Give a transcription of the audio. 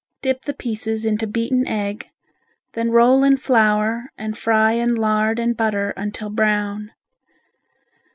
Dip the pieces into beaten egg, then roll in flour and fry in lard and butter until brown.